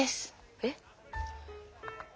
えっ。